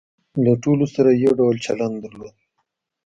له ټولو سره یې یو ډول چلن درلود.